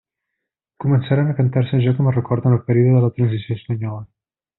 Començaren a cantar-se, ja com a record, en el període de la transició espanyola.